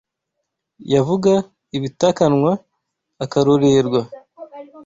Yavuga ibitakanwa akarorerwa